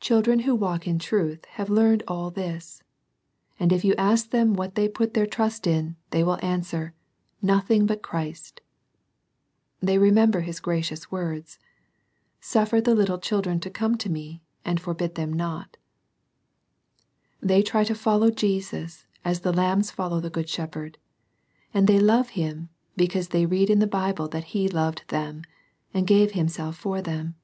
Children who walk in tixx^iv \v2ln^ X'^'axt^^^ "jJi^ 28 SERMONS FOR CHILDREN. this, and if you ask them what they put their trust in, they will answer, ^^ Nothing but Christ, ^^ They remember His gracious words :" Suffer the little children to come unto Me, and forbid them not." They tiy to follow Jesus, as the lambs follow the good shepherd. And they love Him, because they read in the Bible that He loved them, and gave Himself for them.